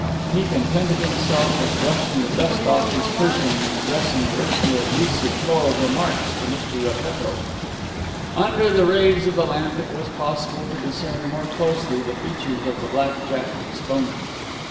He contented himself with brushing the dust off his person and addressing a richly abusive flow of remarks to Mr. Repetto. Under the rays of the lamp it was possible to discern more closely the features of the black jack exponent.